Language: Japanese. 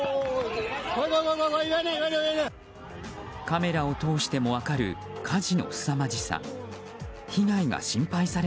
カメラを通しても分かる火事のすさまじさ。